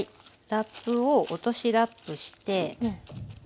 ラップを落としラップして。